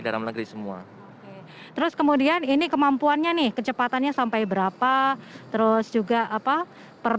dalam negeri semua terus kemudian ini kemampuannya nih kecepatannya sampai berapa terus juga apa per